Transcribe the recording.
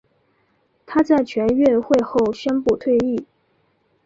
她在全运会后宣布退役。